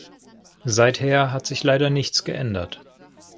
Seither hat sich leider nichts geändert.